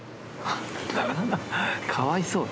かわいそう！